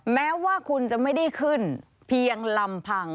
แม้ว่าคุณจะไม่ได้ขึ้นเพียงลำพัง